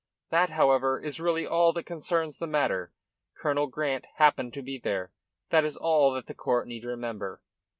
That, however, is really all that concerns the matter. Colonel Grant happened to be there. That is all that the court need remember.